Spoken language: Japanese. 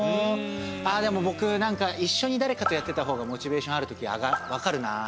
あぁでも僕なんか一緒にだれかとやってた方がモチベーションあるときわかるな。